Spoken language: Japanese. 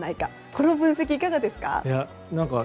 この分析、いかがですか？